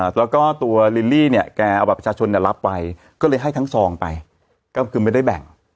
แล้วก็ตัวลิลลี่เนี่ยแกเอาบัตรประชาชนรับไปก็เลยให้ทั้งซองไปก็คือไม่ได้แบ่ง